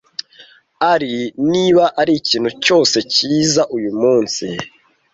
Ari, niba arikintu cyose, cyiza uyu munsi.